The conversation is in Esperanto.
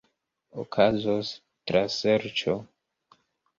Okazos traserĉo.